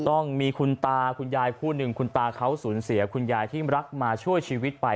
ต้องมีคุณตาคุณยายคู่หนึ่งคุณตาเขาสูญเสียคุณยายที่รักมาช่วยชีวิตไป